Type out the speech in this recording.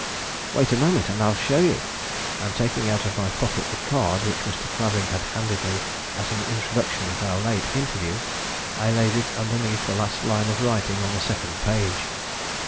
"Wait a moment, and I'll show you"; and, taking out of my pocket the card which Mr. Clavering had handed me as an introduction at our late interview, I laid it underneath the last line of writing on the second page.